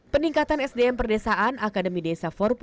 peningkatan sdm perdesaan akademi desa empat